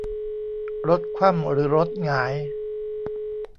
รถคว่ำหรือรถหงาย